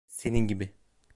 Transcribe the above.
Senin gibi.